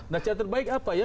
nah cara terbaik apa ya